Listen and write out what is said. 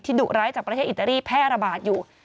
ดุร้ายจากประเทศอิตาลีแพร่ระบาดอยู่